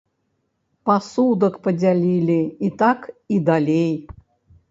Пасудак падзялілі і так і далей.